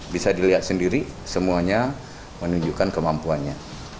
bisa dilihat sendiri semuanya menunjukkan kemampuannya